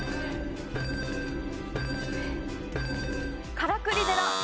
からくり寺。